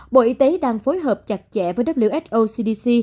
bộ y tế đang phối hợp chặt chẽ với who cdc